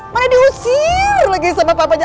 mana diusir lagi sama papa aja